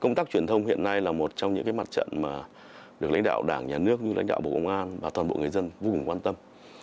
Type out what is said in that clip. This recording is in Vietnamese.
công tác truyền thông hiện nay là một trong những mặt trận mà được lãnh đạo đảng nhà nước như lãnh đạo bộ công an và toàn bộ người dân vô cùng quan tâm